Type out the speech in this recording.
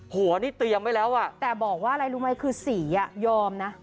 หัวนี่เตรียมไว้แล้วอ่ะแต่บอกว่าอะไรรู้ไหมคือสีอ่ะยอมนะ